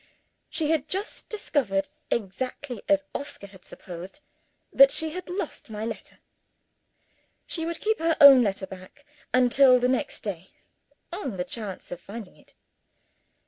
She had just discovered (exactly as Oscar had supposed) that she had lost my letter. She would keep her own letter back until the next day, on the chance of finding it.